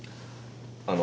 あの。